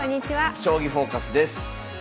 「将棋フォーカス」です。